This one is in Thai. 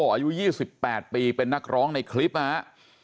อายุ๒๘ปีเป็นนักร้องในคลิปนะครับ